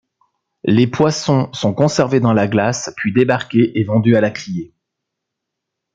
Les poissons sont conservés dans la glace puis débarqués et vendus à la criée.